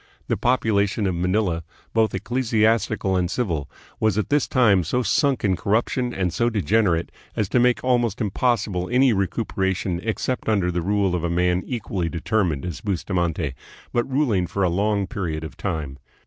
The population of Manila, both ecclesiastical and civil, was at this time so sunk in cor ruption and so degenerate as to make almost impossible any recuperation except under the rule of a man equally determined as Bustamante, but ruling for a long period of time.